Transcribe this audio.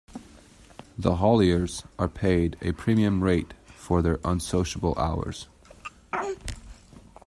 The hauliers are paid a premium rate for their unsociable hours.